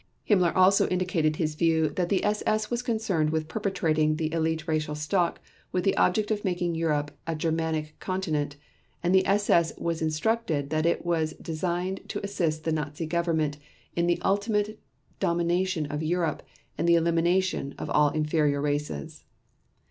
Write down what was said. Himmler also indicated his view that the SS was concerned with perpetuating the elite racial stock with the object of making Europe a Germanic continent and the SS was instructed that it was designed to assist the Nazi Government in the ultimate domination of Europe and the elimination of all inferior races.